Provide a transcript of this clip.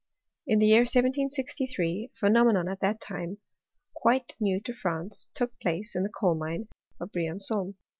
In the year 1763 a phenomenon at that time quite new to France took place in the coal mine of Brian^on.